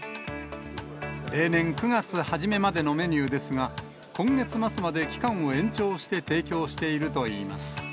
例年、９月初めまでのメニューですが、今月末まで期間を延長して提供しているといいます。